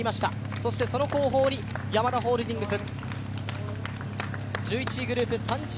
そしてその後方にヤマダホールディングス。